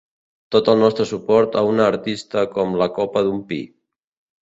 Tot el nostre suport a una artista com la copa del pi.